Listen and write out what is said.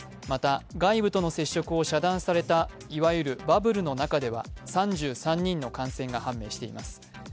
また、外部との接触を遮断されたいわゆるバブルの中では３３人の感染が判明しています。